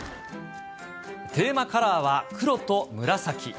テーマカラーは黒と紫。